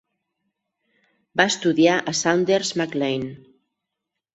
Va estudiar a Saunders Mac Lane.